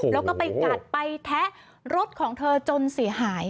แล้วก็ไปกัดไปแทะรถของเธอจนเสียหาย